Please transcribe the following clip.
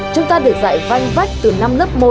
chúng ta được dạy văn vạch từ năm lớp một